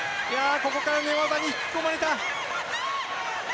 ここから寝技に引き込まれた。